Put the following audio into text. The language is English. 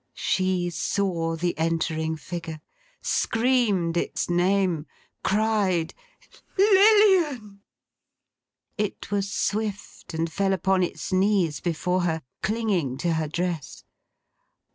She saw the entering figure; screamed its name; cried 'Lilian!' It was swift, and fell upon its knees before her: clinging to her dress.